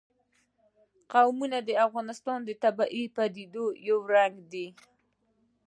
قومونه د افغانستان د طبیعي پدیدو یو رنګ دی.